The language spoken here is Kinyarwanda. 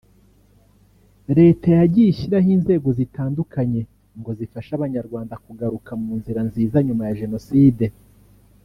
Leta yagiye ishyiraho inzego zitandukanye ngo zifashe Abanyarwanda kugaruka mu nzira nziza nyuma ya Jenoside